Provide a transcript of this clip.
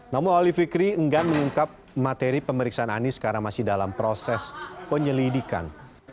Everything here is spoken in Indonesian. namun ali fikri enggan mengungkap materi pemeriksaan anies karena masih dalam proses penyelidikan